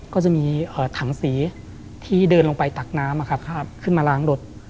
ก็จะมีถังสีที่เดินลงไปตักน้ำขึ้นมาล้างรถ